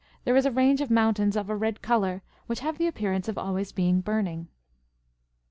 there is a range of mountains, of a red colour, which have the appearance of being always burning.